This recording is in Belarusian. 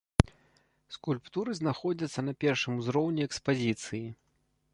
Скульптуры знаходзяцца на першым ўзроўні экспазіцыі.